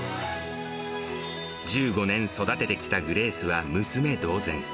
１５年育ててきたグレースは娘同然。